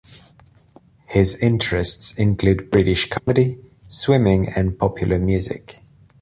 His interests include British comedy, swimming and popular music.